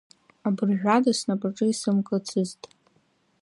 Абыржәада снапаҿы исымкыцызт.